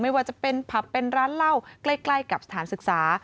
ไม่ว่าจะเป็นผับเป็นร้านเหล้าใกล้กับสถานศึกษา